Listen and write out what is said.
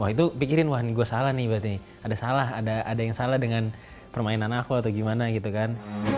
wah itu pikirin wah ini gue salah nih ada salah ada yang salah dengan permainan aku atau gimana gitu kan